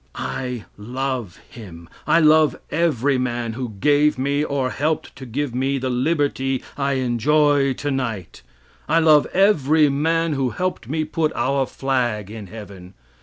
I love him; I love every man who gave me, or helped to give me the liberty I enjoy tonight; I love every man who helped me put our flag in heaven.